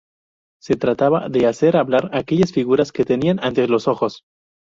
Se trataba de hacer hablar aquellas figuras que tenía ante los ojos.